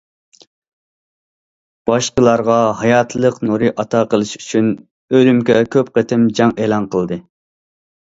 باشقىلارغا ھاياتلىق نۇرى ئاتا قىلىش ئۈچۈن، ئۆلۈمگە كۆپ قېتىم جەڭ ئېلان قىلدى.